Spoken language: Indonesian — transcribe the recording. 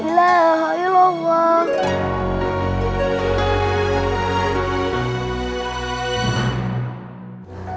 allahu akbar allahu akbar